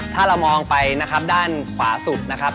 ถ้าเรามองไปนะครับด้านขวาสุดนะครับ